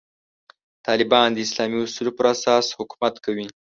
طالبان د اسلامي اصولو پر اساس حکومت کوي.